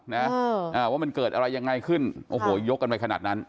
แล้วว่ามันเกิดอะไรยังไงคลึ่นโอ้โหยกกันไปขนาดนั้น